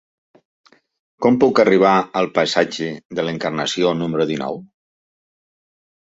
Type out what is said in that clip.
Com puc arribar al passatge de l'Encarnació número dinou?